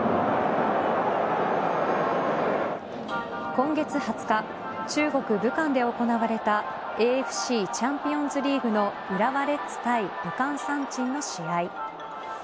今月２０日中国・武漢で行われたＡＦＣチャンピオンズリーグの浦和レッズ対武漢三鎮の試合。